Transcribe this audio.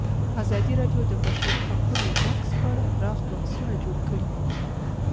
ازادي راډیو د د بشري حقونو نقض په اړه پراخ بحثونه جوړ کړي.